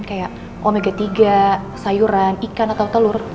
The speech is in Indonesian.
kayak omega tiga sayuran ikan atau telur